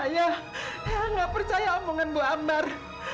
ayah tidak percaya omongan bu ambar